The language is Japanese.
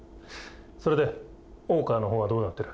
それで大川の方はどうなってる？